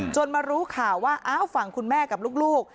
มารู้ข่าวว่าอ้าวฝั่งคุณแม่กับลูก